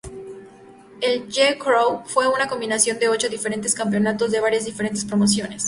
El J-Crown fue una combinación de ocho diferentes campeonatos de varias diferentes promociones.